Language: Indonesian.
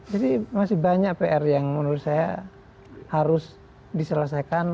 jadi masih banyak pr yang menurut saya harus diselesaikan